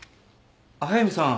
速見さん